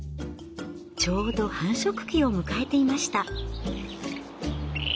ちょうど繁殖期を迎えていました。